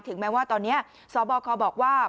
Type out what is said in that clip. แม้ว่าตอนนี้สบคบอกว่า